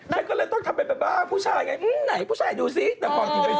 ฉันก็เลยต้องทำเป็นแบบบ้าผู้ชายไงไหนผู้ชายดูสิแต่พอถึงไปสืบไง